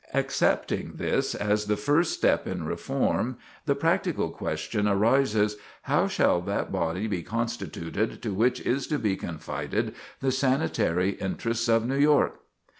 Accepting this as the first step in reform, the practical question arises: How shall that body be constituted to which is to be confided the sanitary interests of New York?